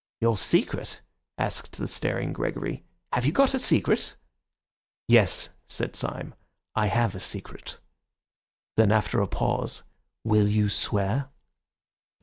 "Your secret?" asked the staring Gregory. "Have you got a secret?" "Yes," said Syme, "I have a secret." Then after a pause, "Will you swear?"